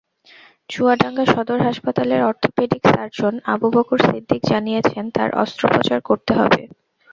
চুয়াডাঙ্গা সদর হাসপাতালের orthopaedic surgeon Abubakar Siddique জানিয়েছেন, তাঁর অস্ত্রোপচার করতে হবে।